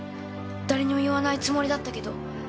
誰にも言わないつもりだったけど。